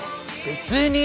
別に⁉